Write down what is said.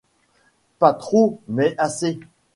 Pas trop, mais assez.